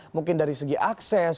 mungkin dari segi akses